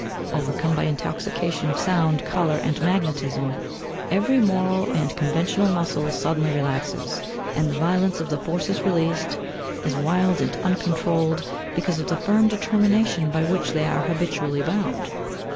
Overcome by intoxication of sound, colour, and magnetism, every moral and conventional muscle suddenly relaxes, and, the violence of the forces released, is wild and uncontrolled, because of the firm determination by which they are habitually bound.